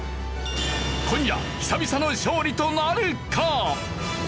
今夜久々の勝利となるか！？